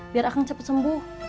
biar akang cepat sembuh